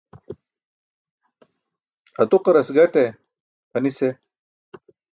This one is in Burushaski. Atuqaras gaṭe pʰanis eh.